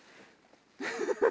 フフフ。